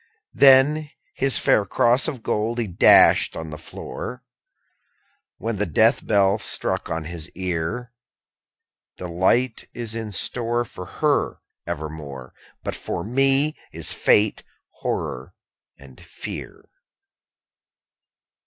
_20 4. Then his fair cross of gold he dashed on the floor, When the death knell struck on his ear. 'Delight is in store For her evermore; But for me is fate, horror, and fear.'